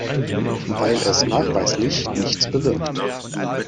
Weil es nachweislich nichts bewirkt.